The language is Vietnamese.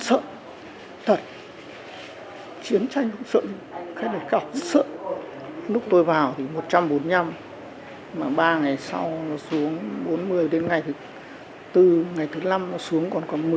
sau nó xuống bốn mươi đến ngày thứ bốn ngày thứ năm nó xuống còn còn một mươi hai